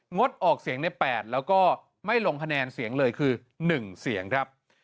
ดออกเสียงใน๘แล้วก็ไม่ลงคะแนนเสียงเลยคือ๑เสียงครับ